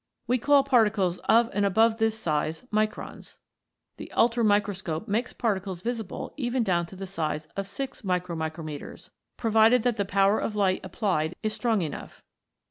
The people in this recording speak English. We call particles of and above this size Microns. The ultramicroscope makes par ticles visible even down to the size of 6 /x/z, provided that the power of light applied is strong enough.